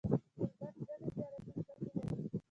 هلمند ګڼي زراعتي ځمکي لري.